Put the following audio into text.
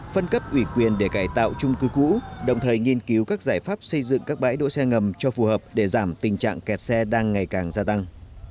phân cấp ủy quyền để cải tạo trung cư cũ đồng thời nghiên cứu các giải pháp xây dựng các bãi đỗ xe ngầm cho phù hợp để giảm tình trạng kẹt xe đang ngày càng gia tăng